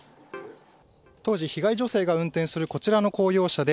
当時、被害女性が運転するこちらの公用車で